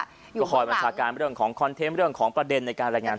อยู่ข้างหลังก็คอยบรรชาการเรื่องของคอนเทมเรื่องของประเด็นในการรายงานสน